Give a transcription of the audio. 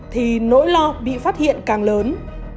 thì nỗi lo bị phát hiện càng lớn